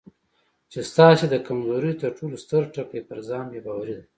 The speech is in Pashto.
چې ستاسې د کمزورۍ تر ټولو ستر ټکی پر ځان بې باوري ده.